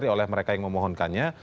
oleh mereka yang memohonkannya